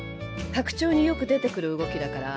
「白鳥」によく出てくる動きだから。